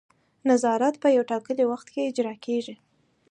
نظارت په یو ټاکلي وخت کې اجرا کیږي.